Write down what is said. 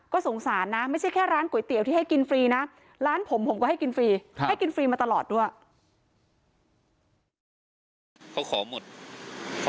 สงสารนะไม่ใช่แค่ร้านก๋วยเตี๋ยวที่ให้กินฟรีนะร้านผมผมก็ให้กินฟรีให้กินฟรีมาตลอดด้วย